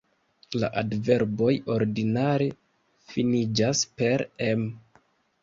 La adverboj ordinare finiĝas per -em.